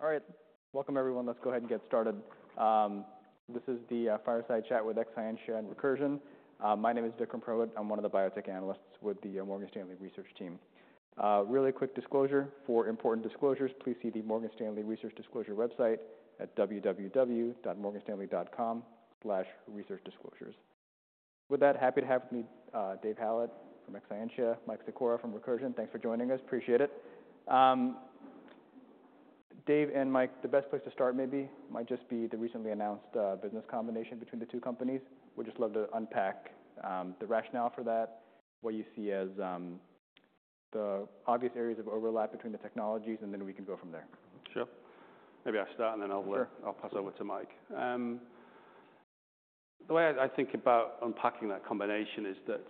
All right. Welcome, everyone. Let's go ahead and get started. This is the Fireside Chat with Exscientia and Recursion. My name is Vikram Prahlad. I'm one of the biotech analysts with the Morgan Stanley Research team. Really quick disclosure, for important disclosures, please see the Morgan Stanley Research Disclosure website at www.morganstanley.com/researchdisclosures. With that, happy to have with me, Dave Hallett from Exscientia, Mike Secora from Recursion. Thanks for joining us. Appreciate it. Dave and Mike, the best place to start maybe might just be the recently announced business combination between the two companies. Would just love to unpack the rationale for that, what you see as the obvious areas of overlap between the technologies, and then we can go from there. Sure. Maybe I'll start, and then I'll- Sure. I'll pass over to Mike. The way I think about unpacking that combination is that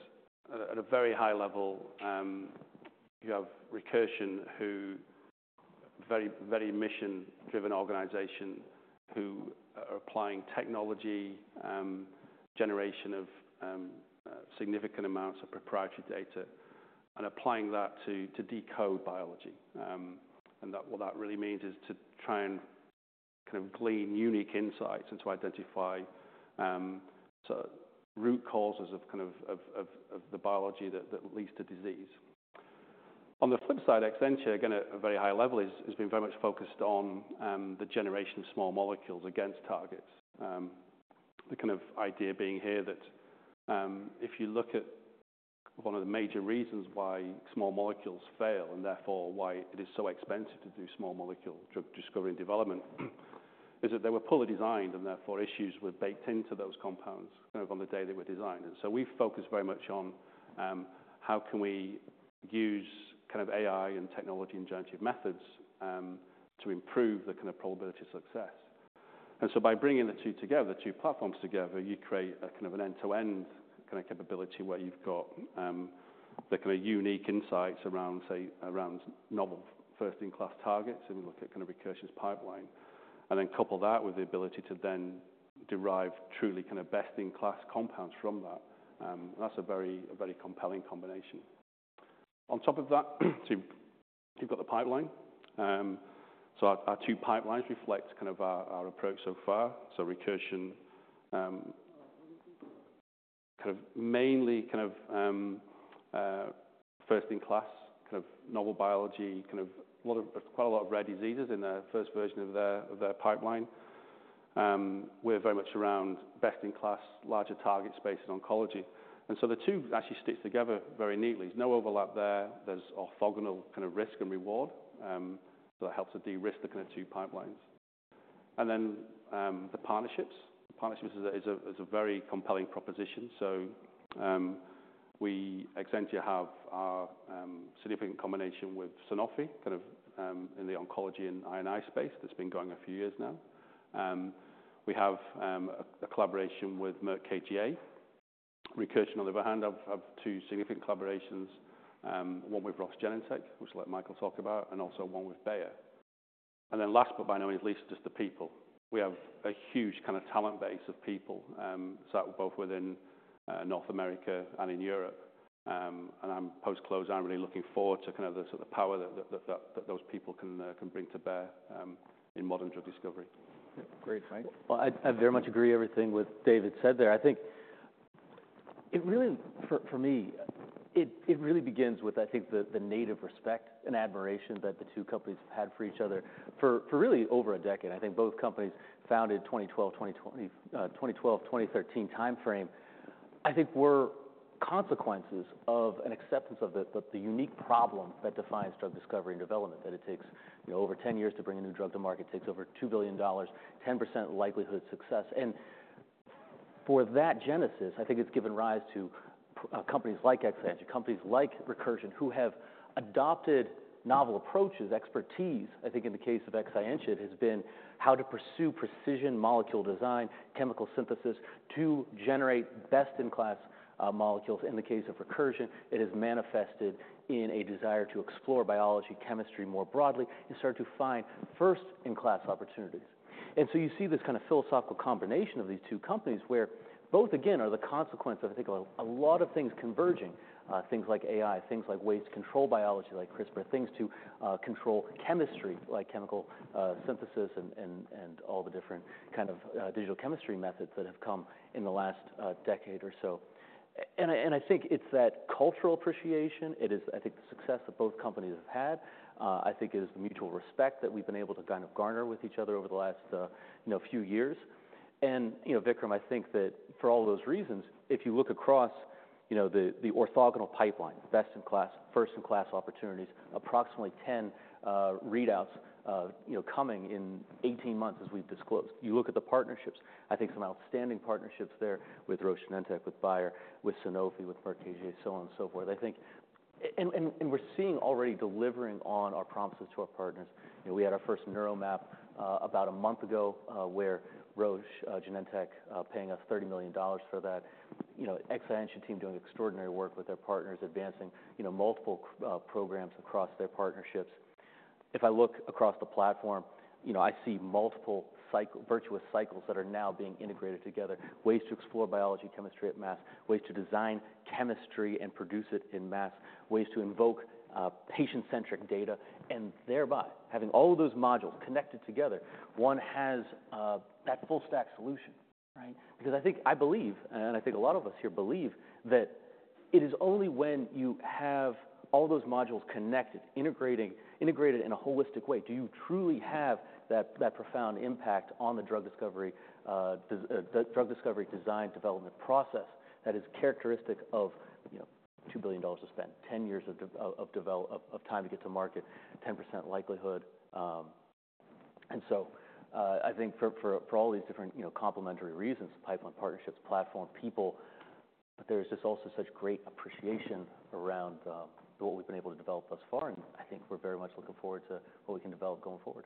at a very high level, you have Recursion, who very mission-driven organization, who are applying technology, generation of significant amounts of proprietary data and applying that to decode biology. And that, what that really means is to try and kind of glean unique insights and to identify sort of root causes of the biology that leads to disease. On the flip side, Exscientia, again, at a very high level, has been very much focused on the generation of small molecules against targets. The kind of idea being here that, if you look at one of the major reasons why small molecules fail, and therefore why it is so expensive to do small molecule drug discovery and development, is that they were poorly designed, and therefore issues were baked into those compounds kind of on the day they were designed. And so we've focused very much on how can we use kind of AI and technology and generative methods to improve the kind of probability of success. And so by bringing the two together, the two platforms together, you create a kind of an end-to-end kind of capability, where you've got the kind of unique insights around, say, around novel first-in-class targets, if you look at kind of Recursion's pipeline, and then couple that with the ability to then derive truly kind of best-in-class compounds from that. That's a very compelling combination. On top of that, so you've got the pipeline. So our two pipelines reflect kind of our approach so far. So Recursion kind of mainly kind of first-in-class, kind of novel biology, kind of quite a lot of rare diseases in the first version of their pipeline. We're very much around best-in-class, larger target space in oncology. And so the two actually stick together very neatly. There's no overlap there. There's orthogonal kind of risk and reward. So that helps to de-risk the kind of two pipelines. And then the partnerships. The partnerships is a very compelling proposition. We, Exscientia, have our significant combination with Sanofi, kind of, in the oncology and I&I space that's been going a few years now. We have a collaboration with Merck KGaA. Recursion, on the other hand, have two significant collaborations, one with Roche Genentech, which I'll let Michael talk about, and also one with Bayer. Last, but by no means least, just the people. We have a huge kind of talent base of people, so both within North America and in Europe. Post-close, I'm really looking forward to kind of the sort of power that those people can bring to bear in modern drug discovery. Yeah. Great. Mike? I very much agree with everything David said there. I think it really, for me, it really begins with the native respect and admiration that the two companies have had for each other for really over a decade. I think both companies, founded 2012, 2013 timeframe, were consequences of an acceptance of the unique problem that defines drug discovery and development, that it takes, you know, over 10 years to bring a new drug to market, takes over $2 billion, 10% likelihood of success. And for that genesis, I think it's given rise to companies like Exscientia, companies like Recursion, who have adopted novel approaches, expertise. I think in the case of Exscientia, it has been how to pursue precision molecule design, chemical synthesis, to generate best-in-class molecules. In the case of Recursion, it has manifested in a desire to explore biology, chemistry more broadly, and start to find first-in-class opportunities. And so you see this kind of philosophical combination of these two companies, where both, again, are the consequence of, I think, a lot of things converging, things like AI, things like ways to control biology, like CRISPR, things to control chemistry, like chemical synthesis and all the different kind of digital chemistry methods that have come in the last decade or so. And I think it's that cultural appreciation. It is, I think, the success that both companies have had, I think it is the mutual respect that we've been able to kind of garner with each other over the last, you know, few years. And, you know, Vikram, I think that for all those reasons, if you look across, you know, the, the orthogonal pipeline, best-in-class, first-in-class opportunities, approximately ten, readouts, you know, coming in eighteen months as we've disclosed. You look at the partnerships, I think some outstanding partnerships there with Roche Genentech, with Bayer, with Sanofi, with Merck KGaA, so on and so forth. I think. And we're seeing already delivering on our promises to our partners. You know, we had our first neuro map, about a month ago, where Roche, Genentech, paying us $30 million for that. You know, Exscientia team doing extraordinary work with their partners, advancing, you know, multiple programs across their partnerships. If I look across the platform, you know, I see multiple virtuous cycles that are now being integrated together, ways to explore biology, chemistry at mass, ways to design chemistry and produce it in mass, ways to invoke patient-centric data, and thereby, having all of those modules connected together, one has that full stack solution. Right, because I think, I believe, and I think a lot of us here believe, that it is only when you have all those modules connected, integrated in a holistic way, do you truly have that profound impact on the drug discovery design development process that is characteristic of, you know, $2 billion to spend, 10 years of development time to get to market, and 10% likelihood. And so, I think for all these different, you know, complementary reasons, pipeline, partnerships, platform, people, there's just also such great appreciation around what we've been able to develop thus far, and I think we're very much looking forward to what we can develop going forward.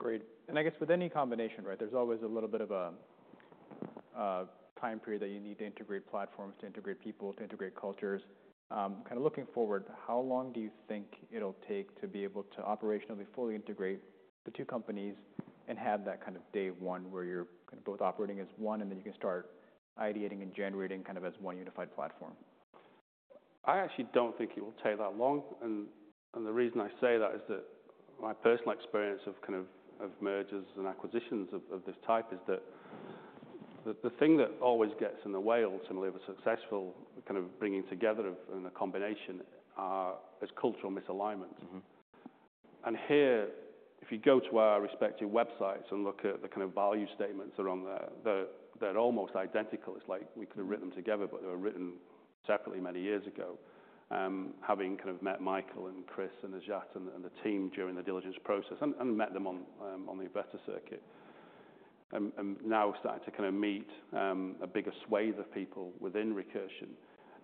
Great. And I guess with any combination, right, there's always a little bit of a time period that you need to integrate platforms, to integrate people, to integrate cultures. Kind of looking forward, how long do you think it'll take to be able to operationally fully integrate the two companies and have that kind of day one, where you're both operating as one, and then you can start ideating and generating kind of as one unified platform? I actually don't think it will take that long, and the reason I say that is that my personal experience of kind of mergers and acquisitions of this type is that the thing that always gets in the way of ultimately a successful kind of bringing together and a combination is cultural misalignment. Mm-hmm. And here, if you go to our respective websites and look at the kind of value statements that are on there, they're, they're almost identical. It's like we could have written them together, but they were written separately many years ago. Having kind of met Michael and Chris and Najat and the team during the diligence process and met them on the investor circuit, and now we're starting to kind of meet a bigger swathe of people within Recursion.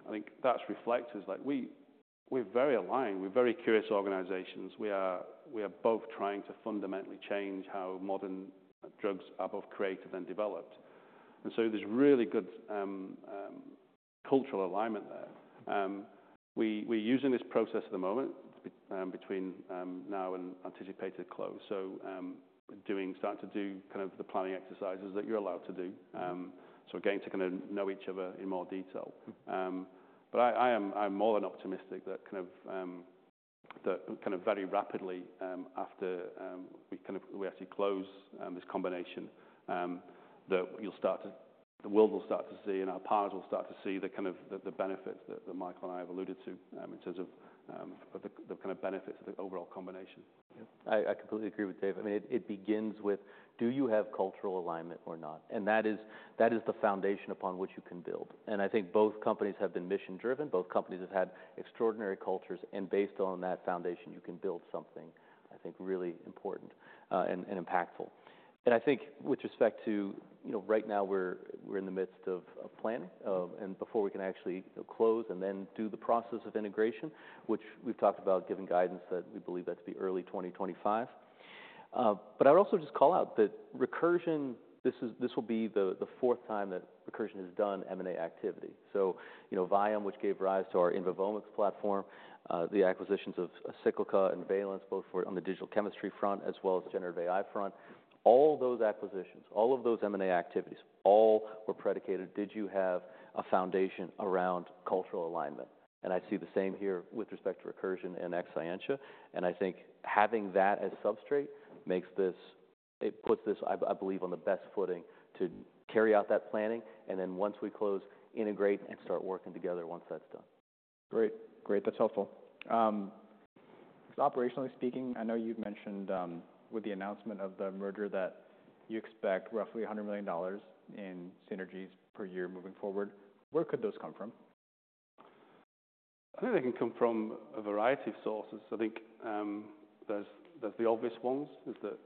I think that's reflected, like we're very aligned, we're very curious organizations. We are, we are both trying to fundamentally change how modern drugs are both created and developed. And so there's really good cultural alignment there. We're using this process at the moment between now and anticipated close. So, doing... Starting to do kind of the planning exercises that you're allowed to do. So we're getting to know each other in more detail. But I'm more than optimistic that kind of very rapidly after we actually close this combination, that you'll start to... the world will start to see and our partners will start to see the kind of benefits that Michael and I have alluded to in terms of the kind of benefits of the overall combination. Yeah, I completely agree with Dave. I mean, it begins with, do you have cultural alignment or not, and that is the foundation upon which you can build. I think both companies have been mission driven. Both companies have had extraordinary cultures, and based on that foundation, you can build something, I think, really important and impactful. I think with respect to, you know, right now we're in the midst of planning, and before we can actually close and then do the process of integration, which we've talked about giving guidance that we believe that's the early 2025. But I would also just call out that Recursion, this is, this will be the fourth time that Recursion has done M&A activity. You know, Vium, which gave rise to our In Vivo omics platform, the acquisitions of Cyclica and Valence, both for on the digital chemistry front as well as generative AI front. All those acquisitions, all of those M&A activities, all were predicated, did you have a foundation around cultural alignment? And I see the same here with respect to Recursion and Exscientia. And I think having that as substrate makes this, it puts this, I believe, on the best footing to carry out that planning, and then once we close, integrate, and start working together once that's done. Great. Great, that's helpful. Operationally speaking, I know you've mentioned, with the announcement of the merger, that you expect roughly $100 million in synergies per year moving forward. Where could those come from? I think they can come from a variety of sources. I think, there's the obvious ones, is that.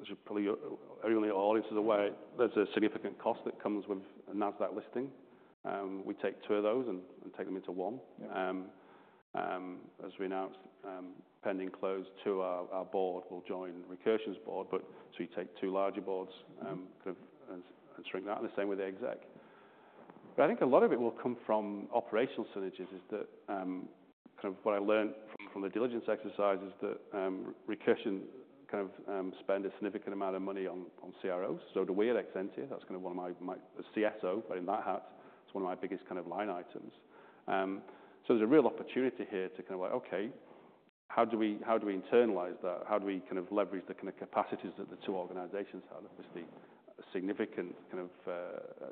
As you probably, everyone in the audience is aware, there's a significant cost that comes with a NASDAQ listing. We take two of those and take them into one. Yeah. As we announced, pending close, our board will join Recursion's board, but so you take two larger boards, kind of, and, and shrink that, and the same with the exec. But I think a lot of it will come from operational synergies. Is that kind of what I learned from, from the diligence exercise is that, Recursion kind of spend a significant amount of money on, on CROs. So do we at Exscientia. That's kind of one of my, my... CSO, but in that hat, it's one of my biggest kind of line items. So there's a real opportunity here to kind of like, okay, how do we, how do we internalize that? How do we kind of leverage the kind of capacities that the two organizations have? Obviously, a significant kind of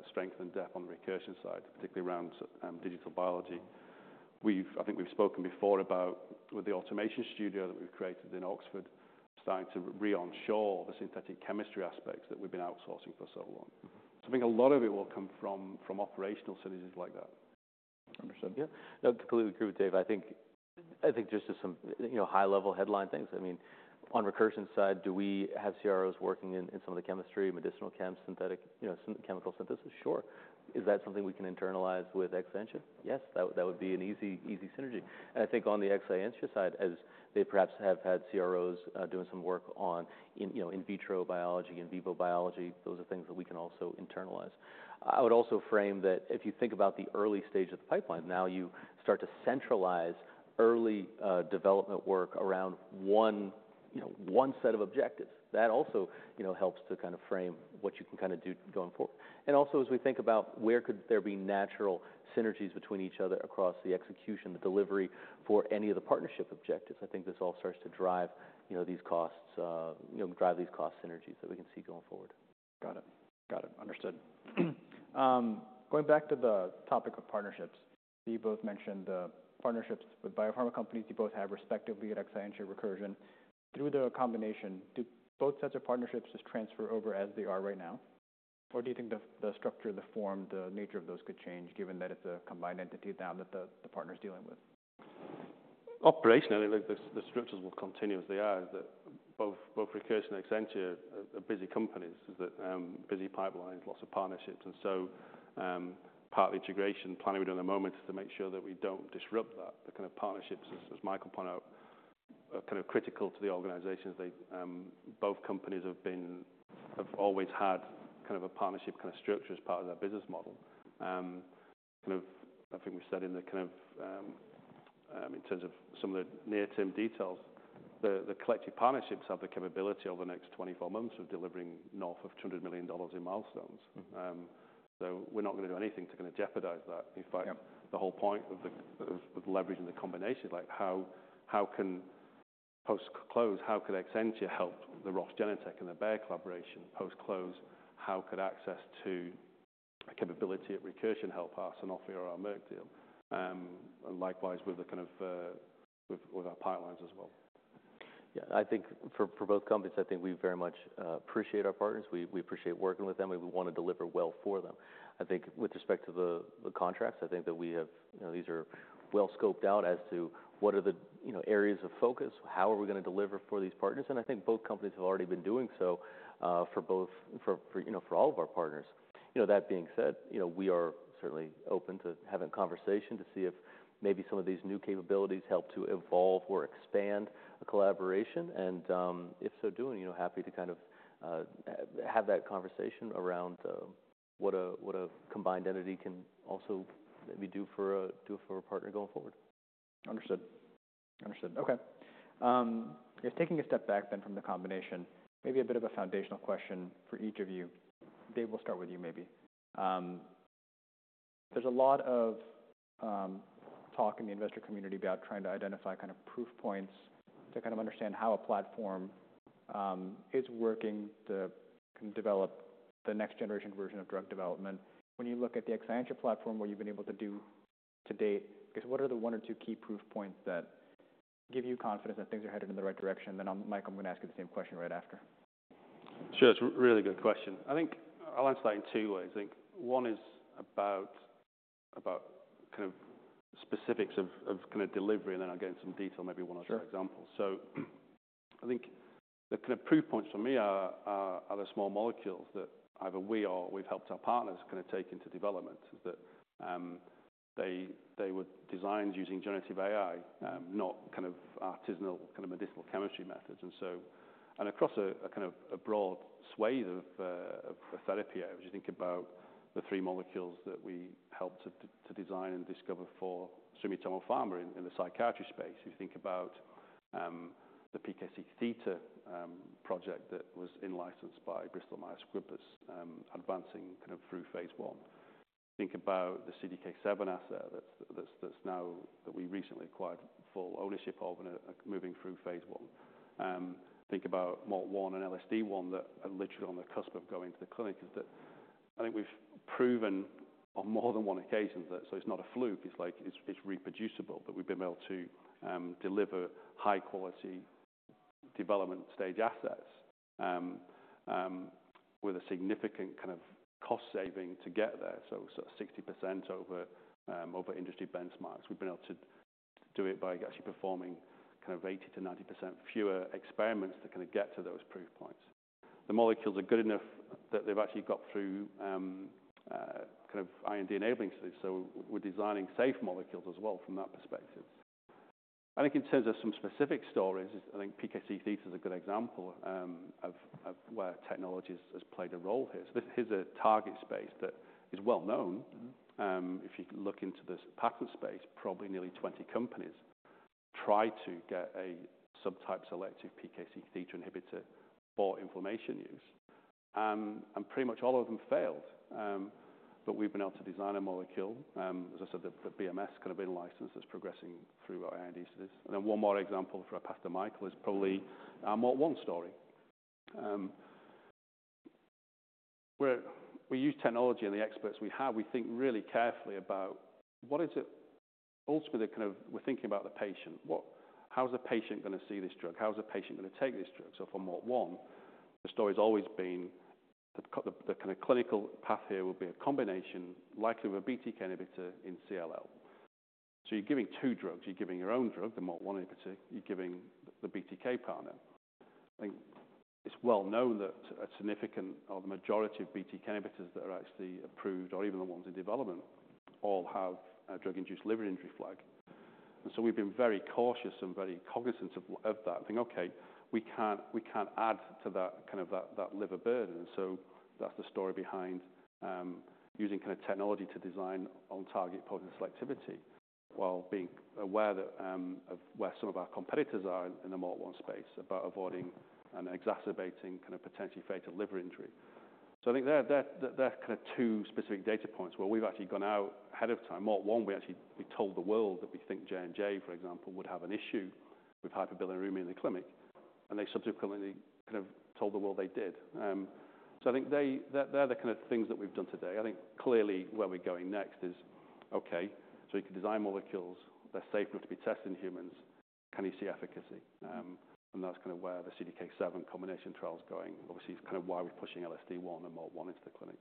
strength and depth on the Recursion side, particularly around digital biology. I think we've spoken before about with the automation studio that we've created in Oxford, starting to re-onshore the synthetic chemistry aspects that we've been outsourcing for so long. Mm-hmm. So I think a lot of it will come from operational synergies like that. Understood. Yeah. No, completely agree with Dave. I think, I think just to some, you know, high-level headline things, I mean, on Recursion side, do we have CROs working in, in some of the chemistry, medicinal chem, synthetic, you know, chemical synthesis? Sure. Is that something we can internalize with Exscientia? Yes, that would, that would be an easy, easy synergy. And I think on the Exscientia side, as they perhaps have had CROs, doing some work on in, you know, in vitro biology, in vivo biology, those are things that we can also internalize. I would also frame that if you think about the early stage of the pipeline, now you start to centralize early, development work around one, you know, one set of objectives. That also, you know, helps to kind of frame what you can kind of do going forward. And also, as we think about where could there be natural synergies between each other across the execution, the delivery for any of the partnership objectives, I think this all starts to drive, you know, these costs, you know, drive these cost synergies that we can see going forward. Got it. Got it. Understood. Going back to the topic of partnerships. You both mentioned the partnerships with biopharma companies you both have respectively at Exscientia Recursion. Through the combination, do both sets of partnerships just transfer over as they are right now? Or do you think the structure, the form, the nature of those could change, given that it's a combined entity now that the partner is dealing with? Operationally, the structures will continue as they are. That both Recursion and Exscientia are busy companies that busy pipelines, lots of partnerships. And so, part of the integration planning we're doing at the moment is to make sure that we don't disrupt that. The kind of partnerships, as Michael pointed out, are kind of critical to the organizations. They, both companies have always had kind of a partnership kind of structure as part of their business model. Kind of, I think we said in the kind of, in terms of some of the near-term details, the collective partnerships have the capability over the next twenty-four months of delivering north of $200 million in milestones. Mm-hmm. So, we're not going to do anything to kind of jeopardize that. In fact- Yeah... The whole point of leveraging the combination, like how can post-close, how can Exscientia help the Roche Genentech and the Bayer collaboration post-close? How could access to capability at Recursion help us and offer our Merck deal, and likewise with the kind of, with our pipelines as well. Yeah, I think for both companies, I think we very much appreciate our partners. We appreciate working with them, and we want to deliver well for them. I think with respect to the contracts, I think that we have... You know, these are well scoped out as to what are the, you know, areas of focus, how are we going to deliver for these partners? And I think both companies have already been doing so, for all of our partners. You know, that being said, you know, we are certainly open to having a conversation to see if maybe some of these new capabilities help to evolve or expand the collaboration, and if so, you know, happy to kind of have that conversation around what a combined entity can also maybe do for a partner going forward. Understood. Understood. Okay. Just taking a step back then from the combination, maybe a bit of a foundational question for each of you. Dave, we'll start with you, maybe. There's a lot of talk in the investor community about trying to identify kind of proof points to kind of understand how a platform is working to develop the next generation version of drug development. When you look at the Exscientia platform, what you've been able to do to date, I guess, what are the one or two key proof points that give you confidence that things are headed in the right direction? Then, Mike, I'm going to ask you the same question right after. Sure, it's a really good question. I think I'll answer that in two ways. I think one is about kind of specifics of kind of delivery, and then I'll get into some detail, maybe one or two examples. Sure. So I think the kind of proof points for me are the small molecules that either we or we've helped our partners kind of take into development. That is, they were designed using generative AI, not kind of artisanal, kind of medicinal chemistry methods. And so across a kind of a broad swathe of therapy, as you think about the three molecules that we helped to design and discover for Sumitomo Pharma in the psychiatry space. You think about the PKC theta project that was in-licensed by Bristol-Myers Squibb, advancing kind of through phase one. Think about the CDK7 asset that's now that we recently acquired full ownership of and are moving through phase one. Think about MALT1 and LSD1 that are literally on the cusp of going to the clinic. Is that I think we've proven on more than one occasion that so it's not a fluke, it's like it's reproducible, that we've been able to deliver high quality development stage assets with a significant kind of cost saving to get there. So 60% over industry benchmarks. We've been able to do it by actually performing kind of 80%-90% fewer experiments to get to those proof points. The molecules are good enough that they've actually got through kind of IND-enabling studies. So we're designing safe molecules as well from that perspective. I think in terms of some specific stories, I think PKC theta is a good example of where technology has played a role here. So this is a target space that is well known. Mm-hmm. If you look into this patent space, probably nearly twenty companies tried to get a subtype selective PKC theta inhibitor for inflammation use, and pretty much all of them failed, but we've been able to design a molecule, as I said, the BMS kind of been licensed, is progressing through our IND studies, and then one more example before I'll pass to Michael, is probably our MALT1 story. Where we use technology and the experts we have, we think really carefully about what is it... Ultimately, kind of we're thinking about the patient. How's the patient going to see this drug? How's the patient going to take this drug, so from MALT1, the story's always been the kind of clinical path here will be a combination, likely with a BTK inhibitor in CLL. You're giving two drugs, you're giving your own drug, the MALT1 inhibitor, you're giving the BTK partner. I think it's well known that a significant or the majority of BTK inhibitors that are actually approved, or even the ones in development, all have a drug-induced liver injury flag. We've been very cautious and very cognizant of that, thinking, "Okay, we can't add to that kind of liver burden." That's the story behind using technology to design on target potency selectivity, while being aware of where some of our competitors are in the MALT1 space, about avoiding exacerbating kind of potentially fatal liver injury. I think there are two specific data points where we've actually gone out ahead of time. MALT1, we actually, we told the world that we think J&J, for example, would have an issue with hyperbilirubinemia in the clinic, and they subsequently kind of told the world they did. So I think they're the kind of things that we've done today. I think clearly where we're going next is, okay, so we can design molecules that are safe enough to be tested in humans. Can you see efficacy? And that's kind of where the CDK7 combination trial is going. Obviously, it's kind of why we're pushing LSD1 and MALT1 into the clinic.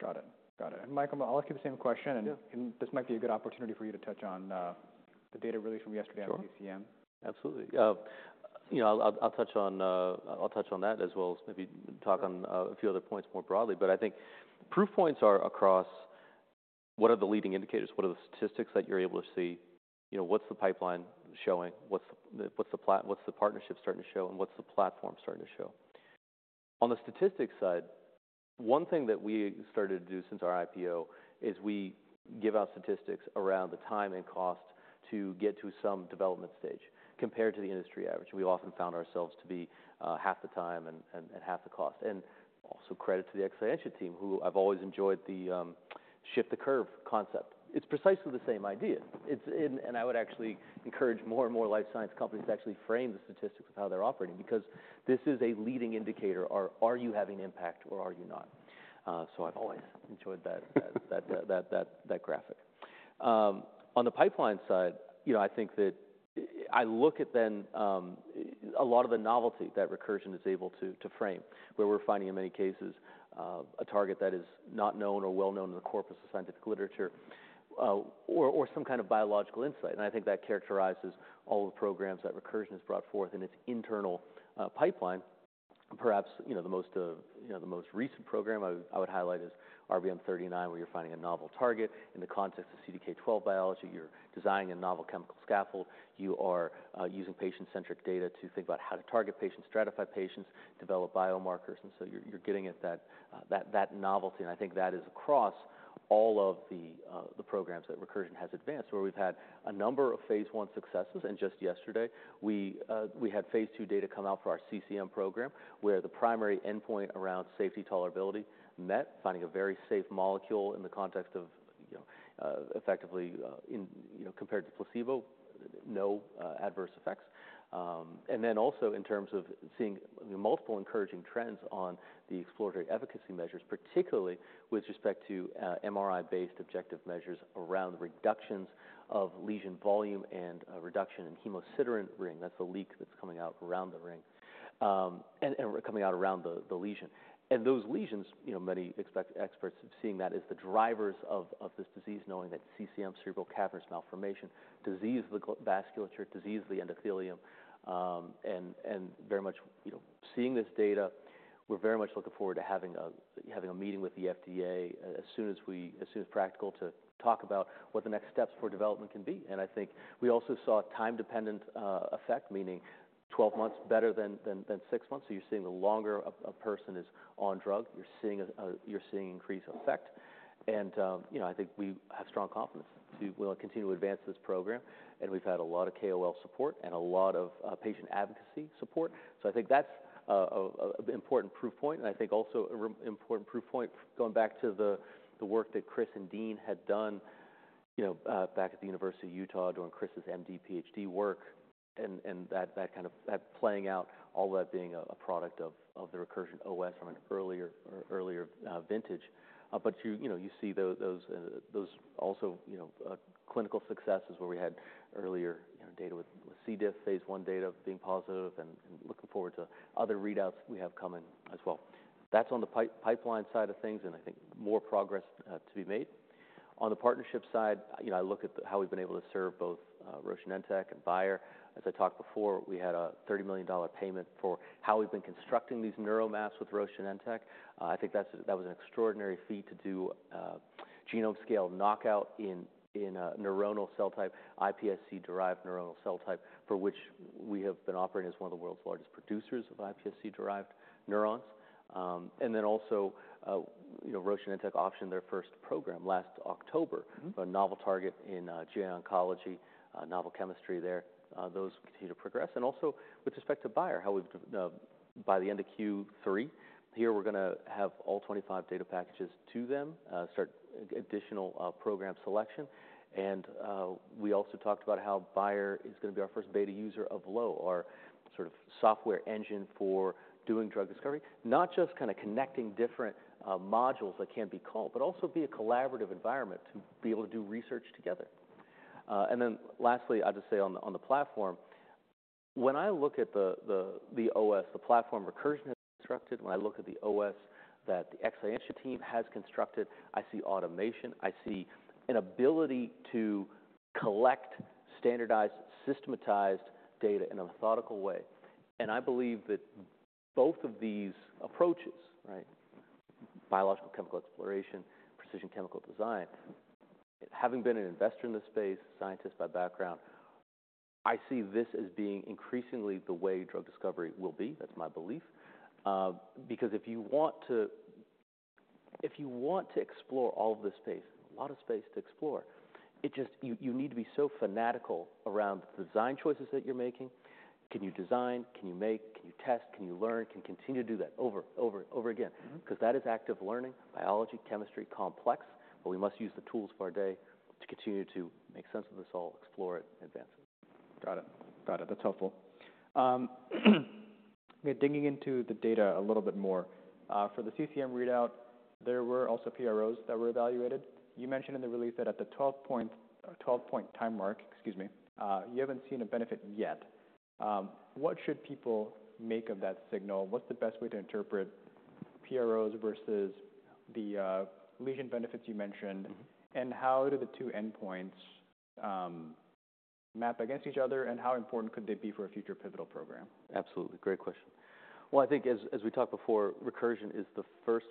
Got it. Got it. And Michael, I'll ask you the same question- Yeah. And this might be a good opportunity for you to touch on the data release from yesterday on CCM. Sure, absolutely. You know, I'll touch on that as well as maybe talk on a few other points more broadly. But I think proof points are across what are the leading indicators, what are the statistics that you're able to see? You know, what's the pipeline showing? What's the partnership starting to show, and what's the platform starting to show? On the statistics side, one thing that we started to do since our IPO is we give out statistics around the time and cost to get to some development stage compared to the industry average. We often found ourselves to be half the time and half the cost. And also credit to the Exscientia team, who I've always enjoyed the shift the curve concept. It's precisely the same idea. It's... I would actually encourage more and more life science companies to actually frame the statistics of how they're operating, because this is a leading indicator. Are you having impact or are you not? I've always enjoyed that graphic. On the pipeline side, you know, I think that I look at them a lot of the novelty that Recursion is able to frame, where we're finding, in many cases, a target that is not known or well known in the corpus of scientific literature, or some kind of biological insight, and I think that characterizes all the programs that Recursion has brought forth in its internal pipeline. Perhaps, you know, the most recent program I would highlight is RBM39, where you're finding a novel target. In the context of CDK12 biology, you're designing a novel chemical scaffold. You are using patient-centric data to think about how to target patients, stratify patients, develop biomarkers, and so you're getting at that novelty, and I think that is across all of the programs that Recursion has advanced, where we've had a number of phase one successes. Just yesterday, we had phase two data come out for our CCM program, where the primary endpoint around safety tolerability met, finding a very safe molecule in the context of, you know, effectively, in, you know, compared to placebo, no adverse effects. And then also in terms of seeing multiple encouraging trends on the exploratory efficacy measures, particularly with respect to MRI-based objective measures around reductions of lesion volume and a reduction in hemosiderin ring. That's the leak that's coming out around the ring, and coming out around the lesion. And those lesions, you know, many experts are seeing that as the drivers of this disease, knowing that CCM, cerebral cavernous malformation, disease of the vasculature, disease of the endothelium. And very much, you know, seeing this data, we're very much looking forward to having a meeting with the FDA as soon as practical, to talk about what the next steps for development can be. And I think we also saw a time-dependent effect, meaning 12 months better than six months. So you're seeing the longer a person is on drug, you're seeing increased effect. You know, I think we have strong confidence we'll continue to advance this program, and we've had a lot of KOL support and a lot of patient advocacy support. So I think that's an important proof point, and I think also an important proof point, going back to the work that Chris and Dean had done, you know, back at the University of Utah during Chris's MD PhD work, and that, that kind of, that playing out, all that being a product of the Recursion OS from an earlier vintage. But you know, you see those also, you know, clinical successes where we had earlier data with C. diff, phase one data being positive and looking forward to other readouts we have coming as well. That's on the pipeline side of things, and I think more progress to be made. On the partnership side, you know, I look at how we've been able to serve both Roche Genentech and Bayer. As I talked before, we had a $30 million payment for how we've been constructing these neural maps with Roche Genentech. I think that's, that was an extraordinary feat to do, genome scale knockout in a neuronal cell type, iPSC-derived neuronal cell type, for which we have been operating as one of the world's largest producers of iPSC-derived neurons. And then also, you know, Roche Genentech optioned their first program last October. Mm-hmm ...a novel target in GI oncology, novel chemistry there. Those continue to progress. And also with respect to Bayer, how we've by the end of Q3, here, we're gonna have all 25 data packages to them, start additional program selection. And we also talked about how Bayer is gonna be our first beta user of LOWE, our sort of software engine for doing drug discovery. Not just kind of connecting different modules that can be called, but also be a collaborative environment to be able to do research together. And then lastly, I'll just say on the platform, when I look at the OS, the platform Recursion has constructed, when I look at the OS that the Exscientia team has constructed, I see automation. I see an ability to collect standardized, systematized data in a methodical way. I believe that both of these approaches, right, biological chemical exploration, precision chemical design, having been an investor in this space, scientist by background, I see this as being increasingly the way drug discovery will be. That's my belief. Because if you want to explore all of this space, a lot of space to explore, it just... You need to be so fanatical around the design choices that you're making. Can you design? Can you make? Can you test? Can you learn? Can you continue to do that over and over and over again? Mm-hmm. Because that is active learning, biology, chemistry, complex, but we must use the tools of our day to continue to make sense of this all, explore it, advance it. Got it. Got it. That's helpful. We're digging into the data a little bit more. For the CCM readout, there were also PROs that were evaluated. You mentioned in the release that at the twelve-point time mark, excuse me, you haven't seen a benefit yet. What should people make of that signal? What's the best way to interpret PROs versus the lesion benefits you mentioned? Mm-hmm. How do the two endpoints map against each other, and how important could they be for a future pivotal program? Absolutely. Great question. I think as we talked before, Recursion is the first.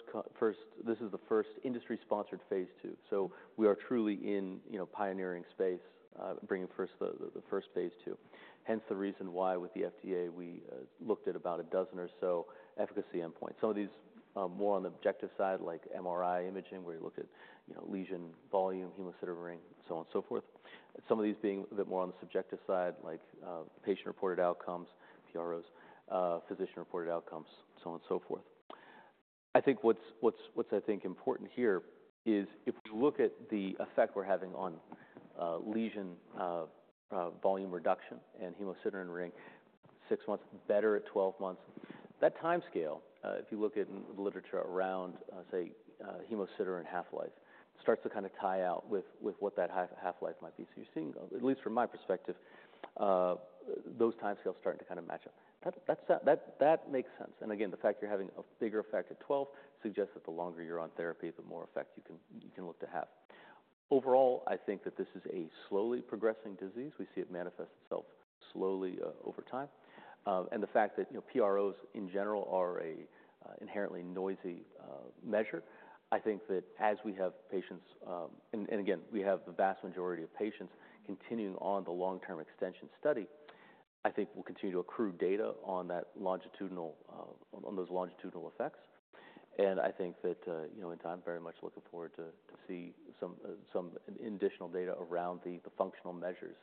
This is the first industry-sponsored phase two. So we are truly in pioneering space, you know, bringing the first phase two. Hence, the reason why with the FDA, we looked at about a dozen or so efficacy endpoints. Some of these more on the objective side, like MRI imaging, where you look at, you know, lesion volume, hemosiderin ring, so on and so forth. Some of these being a bit more on the subjective side, like patient-reported outcomes, PROs, physician-reported outcomes, so on and so forth. I think what's important here is if we look at the effect we're having on lesion volume reduction and hemosiderin ring, six months better at twelve months. That timescale, if you look at the literature around, say, hematoma and half-life, starts to kinda tie out with what that half-life might be. So you're seeing, at least from my perspective, those timescales starting to kind of match up. That makes sense. And again, the fact you're having a bigger effect at 12 suggests that the longer you're on therapy, the more effect you can look to have. Overall, I think that this is a slowly progressing disease. We see it manifest itself slowly over time. And the fact that, you know, PROs in general are a inherently noisy measure, I think that as we have patients... Again, we have the vast majority of patients continuing on the long-term extension study. I think we'll continue to accrue data on that longitudinal, on those longitudinal effects. I think that, you know, and I'm very much looking forward to see some additional data around the functional measures.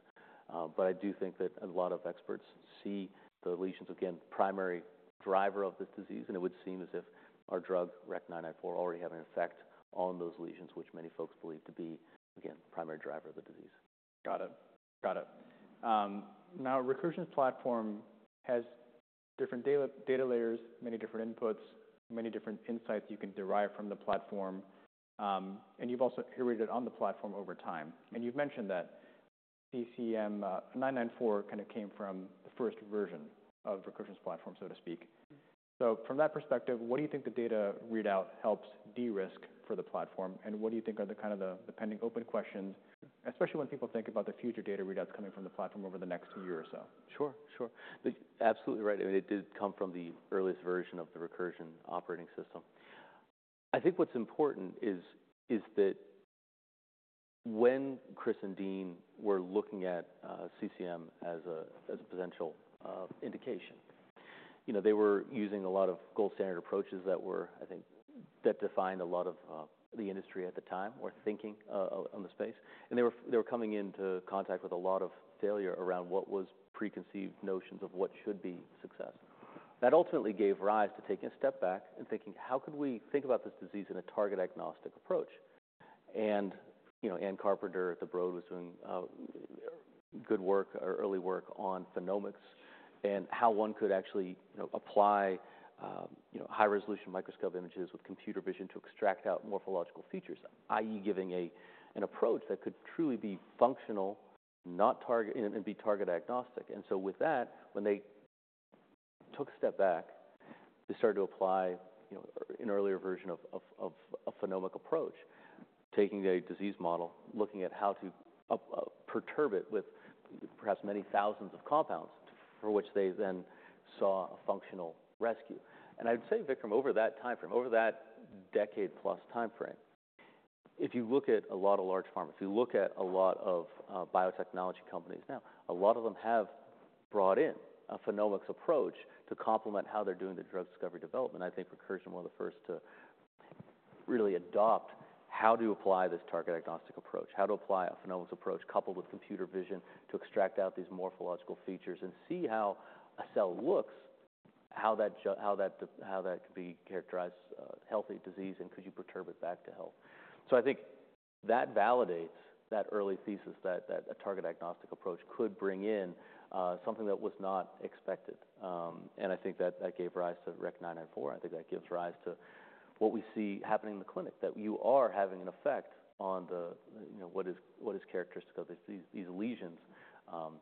But I do think that a lot of experts see the lesions, again, primary driver of this disease, and it would seem as if our drug, REC-994, already have an effect on those lesions, which many folks believe to be, again, primary driver of the disease. Got it. Got it. Now, Recursion's platform has different data, data layers, many different inputs, many different insights you can derive from the platform. And you've also iterated on the platform over time. And you've mentioned that CCM,994 kinda came from the first version of Recursion's platform, so to speak. So from that perspective, what do you think the data readout helps de-risk for the platform, and what do you think are the kind of the pending open questions, especially when people think about the future data readouts coming from the platform over the next year or so? Sure, sure. Absolutely right, I mean, it did come from the earliest version of the Recursion operating system. I think what's important is that when Chris and Dean were looking at CCM as a potential indication, you know, they were using a lot of gold standard approaches that were, I think, that defined a lot of the industry at the time or thinking on the space. And they were coming into contact with a lot of failure around what was preconceived notions of what should be success. That ultimately gave rise to taking a step back and thinking: How could we think about this disease in a target-agnostic approach? You know, Anne Carpenter at the Broad was doing good work or early work on phenomics and how one could actually, you know, apply high-resolution microscope images with computer vision to extract out morphological features, i.e., giving an approach that could truly be functional, not target and be target agnostic. So with that, when they took a step back, they started to apply, you know, an earlier version of a phenomic approach, taking a disease model, looking at how to perturb it with perhaps many thousands of compounds, for which they then saw a functional rescue. I'd say, Vikram, over that timeframe, over that decade plus timeframe, if you look at a lot of large pharmas, if you look at a lot of biotechnology companies now, a lot of them have brought in a phenomics approach to complement how they're doing the drug discovery development. I think Recursion, one of the first to really adopt how to apply this target-agnostic approach, how to apply a phenomics approach coupled with computer vision to extract out these morphological features and see how a cell looks, how that could be characterized healthy, disease, and could you perturb it back to health? I think that validates that early thesis that a target-agnostic approach could bring in something that was not expected. I think that that gave rise to REC-994. I think that gives rise to what we see happening in the clinic, that you are having an effect on the, you know, what is characteristic of these lesions,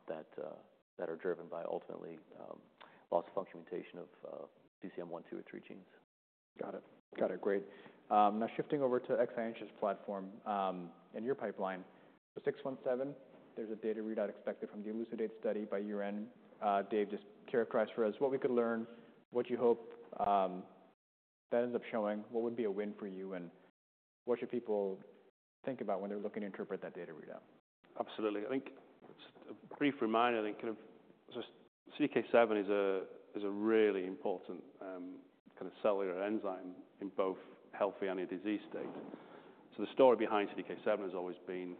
that are driven by ultimately, loss-of-function mutation of, CCM one, two, or three genes. Got it. Got it. Great. Now shifting over to Exscientia's platform, and your pipeline. So 617, there's a data readout expected from the ELUCIDATE study by year-end. Dave, just characterize for us what we could learn, what you hope that ends up showing, what would be a win for you, and what should people think about when they're looking to interpret that data readout? Absolutely. I think a brief reminder, I think, kind of just CDK7 is a really important kind of cellular enzyme in both healthy and a disease state. So the story behind CDK7 has always been,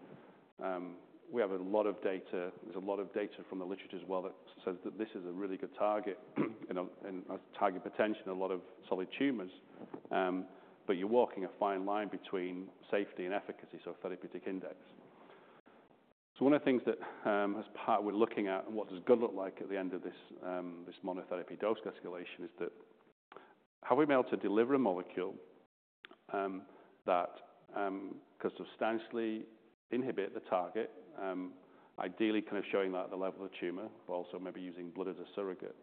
we have a lot of data, there's a lot of data from the literature as well that says that this is a really good target, you know, and a target potential in a lot of solid tumors. But you're walking a fine line between safety and efficacy, so therapeutic index. So one of the things that, as part we're looking at and what does good look like at the end of this, this monotherapy dose escalation, is that have we been able to deliver a molecule that can substantially inhibit the target? Ideally kind of showing that at the level of the tumor, but also maybe using blood as a surrogate.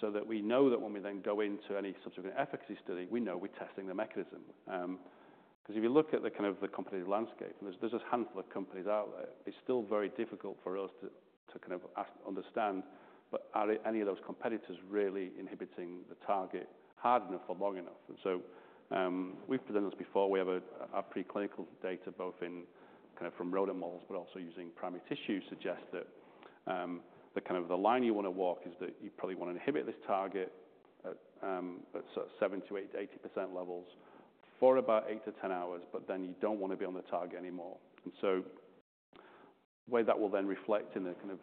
So that we know that when we then go into any subsequent efficacy study, we know we're testing the mechanism. 'Cause if you look at the kind of the competitive landscape, and there's a handful of companies out there, it's still very difficult for us to kind of understand, but are any of those competitors really inhibiting the target hard enough for long enough? And so, we've presented this before. We have our preclinical data, both in kind of from rodent models but also using primary tissue, suggest that the kind of line you want to walk is that you probably want to inhibit this target at sort of 70%-80% levels for about 8-10 hours, but then you don't want to be on the target anymore. And so the way that will then reflect in the kind of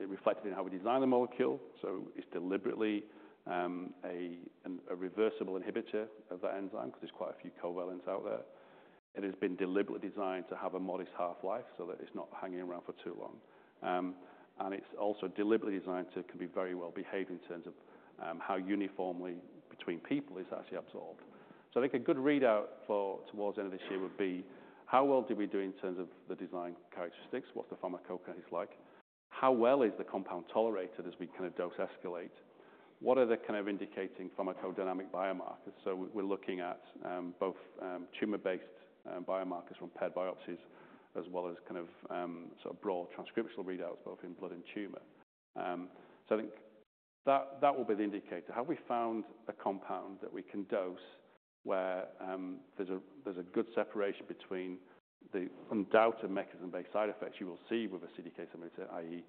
it reflected in how we design the molecule. So it's deliberately a reversible inhibitor of that enzyme because there's quite a few covalent out there. It has been deliberately designed to have a modest half-life so that it's not hanging around for too long. And it's also deliberately designed, so it can be very well behaved in terms of how uniformly between people it's actually absorbed. So I think a good readout for towards the end of this year would be: How well did we do in terms of the design characteristics? What's the pharmacokinetics like? How well is the compound tolerated as we kind of dose escalate? What are the kind of indicating pharmacodynamic biomarkers? So we're looking at both tumor-based biomarkers from paired biopsies, as well as kind of sort of broad transcriptional readouts, both in blood and tumor. So I think that will be the indicator. Have we found a compound that we can dose where there's a good separation between the undoubted mechanism-based side effects you will see with a CDK7, i.e.,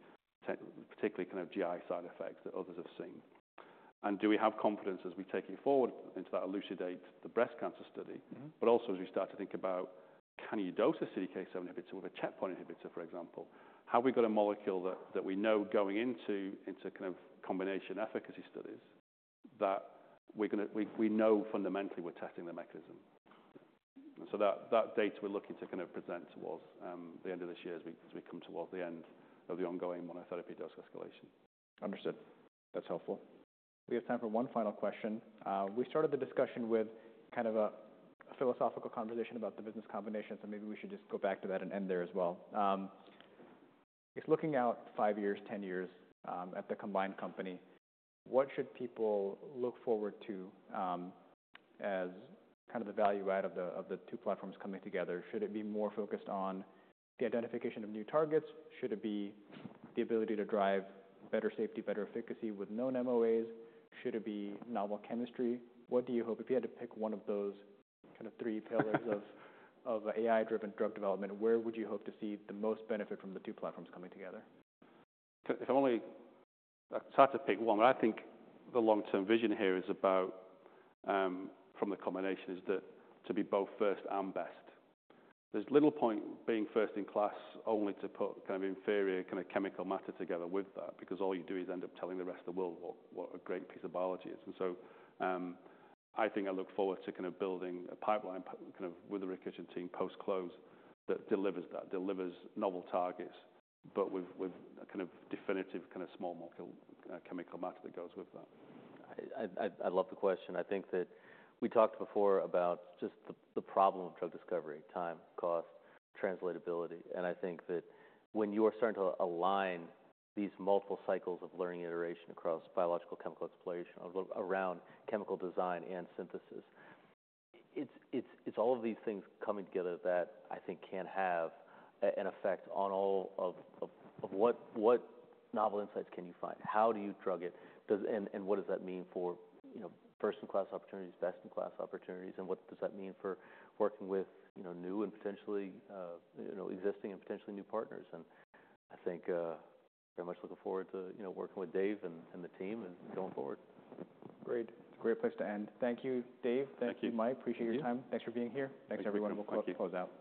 particularly kind of GI side effects that others have seen? And do we have confidence as we take it forward into that ELUCIDATE breast cancer study- Mm-hmm. But also, as we start to think about, can you dose a CDK7 inhibitor with a checkpoint inhibitor, for example? Have we got a molecule that we know going into kind of combination efficacy studies, that we're gonna, we know fundamentally we're testing the mechanism? And so that data we're looking to kind of present towards the end of this year as we come towards the end of the ongoing monotherapy dose escalation. Understood. That's helpful. We have time for one final question. We started the discussion with kind of a philosophical conversation about the business combination, so maybe we should just go back to that and end there as well. Just looking out five years, ten years, at the combined company, what should people look forward to, as kind of the value add of the two platforms coming together? Should it be more focused on the identification of new targets? Should it be the ability to drive better safety, better efficacy with known MOAs? Should it be novel chemistry? What do you hope? If you had to pick one of those kind of three pillars of AI-driven drug development, where would you hope to see the most benefit from the two platforms coming together? I think the long-term vision here is about from the combination is that to be both first and best. There's little point being first in class only to put kind of inferior kind of chemical matter together with that, because all you do is end up telling the rest of the world what a great piece of biology it is. And so I think I look forward to kind of building a pipeline kind of with the Recursion team post-close that delivers that. Delivers novel targets, but with a kind of definitive kind of small molecule chemical matter that goes with that. I love the question. I think that we talked before about just the problem of drug discovery: time, cost, translatability. And I think that when you are starting to align these multiple cycles of learning iteration across biological, chemical exploration, around chemical design and synthesis, it's all of these things coming together that I think can have an effect on all of what novel insights can you find? How do you drug it? And what does that mean for, you know, first-in-class opportunities, best-in-class opportunities? And what does that mean for working with, you know, new and potentially, you know, existing and potentially new partners? And I think, very much looking forward to, you know, working with Dave and the team and going forward. Great. Great place to end. Thank you, Dave. Thank you. Thank you, Mike. Appreciate your time. Thank you. Thanks for being here. Thank you. Thanks, everyone. Thank you. We'll close out. All right, thank you.